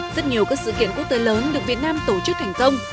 rất nhiều các sự kiện quốc tế lớn được việt nam tổ chức thành công